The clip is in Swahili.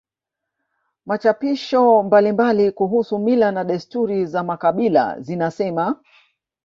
Machapisho mbalimbali kuhusu mila na desturi za makabila zinasema